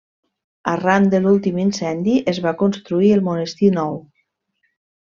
Arran de l'últim incendi es va construir el monestir nou.